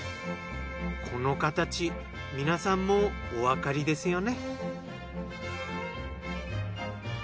この形皆さんもうおわかりですよね？